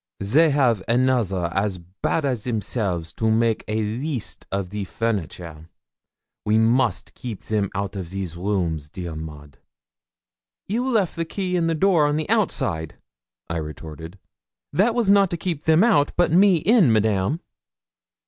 They have another as bad as themselve to make a leest of the furniture: we most keep them out of these rooms, dear Maud.' 'You left the key in the door on the outside,' I retorted; 'that was not to keep them out, but me in, Madame.'